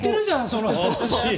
その話。